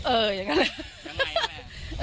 เอออย่างนั้น